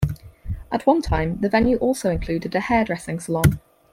At one time, the venue also included a hairdressing salon.